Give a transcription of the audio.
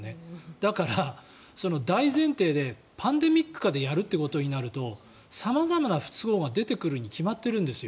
だから、大前提でパンデミック下でやるということになると様々な不都合が出てくるに決まってるんですよ。